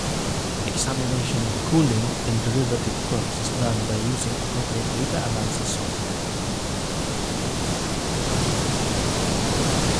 Examination of cooling and derivative curves is done by using appropriate data analysis software.